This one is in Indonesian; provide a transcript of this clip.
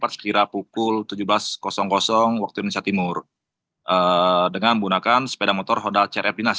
dua ribu empat belas sekira pukul tujuh belas waktu indonesia timur dengan menggunakan sepeda motor honda crf dinas